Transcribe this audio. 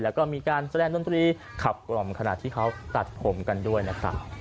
แล้วก็มีการแสดงดนตรีขับกล่อมขณะที่เขาตัดผมกันด้วยนะครับ